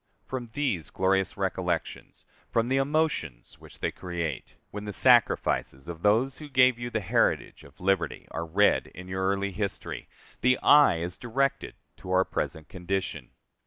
From these glorious recollections, from the emotions which they create, when the sacrifices of those who gave you the heritage of liberty are read in your early history, the eye is directed to our present condition.